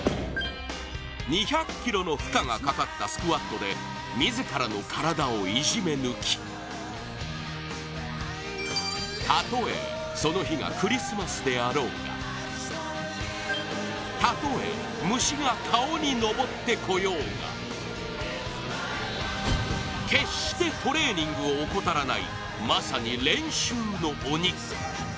２００ｋｇの負荷がかかったスクワットで自らの体をいじめ抜きたとえその日がクリスマスであろうがたとえ、虫が顔に上ってこようが決してトレーニングを怠らないまさに練習の鬼。